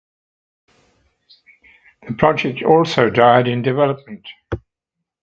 The project also died in development.